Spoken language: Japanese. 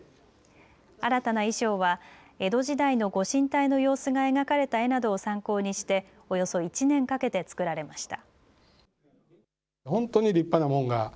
新たな衣装は江戸時代のご神体の様子が描かれた絵などを参考にしておよそ１年かけて作られました。